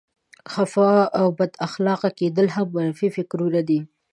خفه او بد اخلاقه کېدل هم منفي فکرونه دي.